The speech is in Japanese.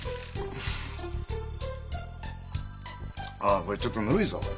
ああこれちょっとぬるいぞ。